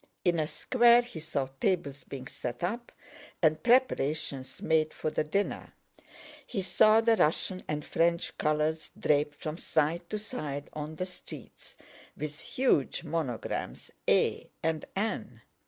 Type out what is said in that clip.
In a square he saw tables being set up and preparations made for the dinner; he saw the Russian and French colors draped from side to side of the streets, with huge monograms A and N.